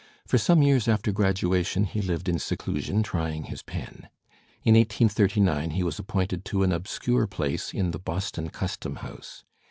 For some years after graduation he lived in seclusion trying his pen. In 1839 he was appointed to an obscure place in the Boston Custom House.